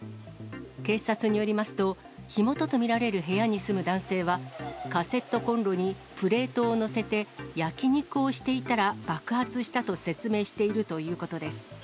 警察によりますと、火元と見られる部屋に住む男性は、カセットコンロにプレートを載せて、焼き肉をしていたら爆発したと説明しているということです。